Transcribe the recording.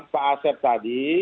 pak asep tadi